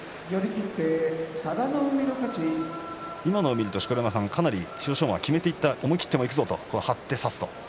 今のを見ると千代翔馬は決めていった、思い切っていくぞと、張って差すと。